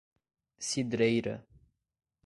Cidreira